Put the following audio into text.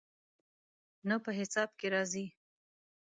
نه، په حساب کې راځي